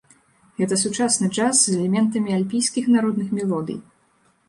Гэта сучасны джаз з элементамі альпійскіх народных мелодый.